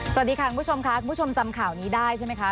สวัสดีค่ะคุณผู้ชมค่ะคุณผู้ชมจำข่าวนี้ได้ใช่ไหมคะ